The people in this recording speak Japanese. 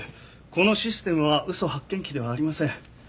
このシステムは嘘発見器ではありません。